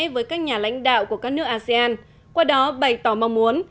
với các nhà lãnh đạo của các nước asean qua đó bày tỏ mong muốn